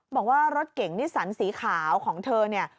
บอกว่ารถเก่งนิสันสีขาวของเธอเนี่ย